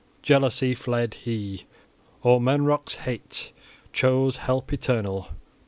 Jealousy fled he, Eormenric's hate: chose help eternal.